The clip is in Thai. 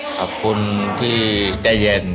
ขอบคุณที่ใจเย็น